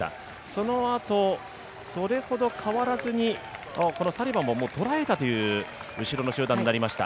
そのあと、それほど変わらずこのサリバンも捉えたという後ろの集団になりました。